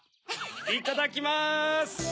いただきます！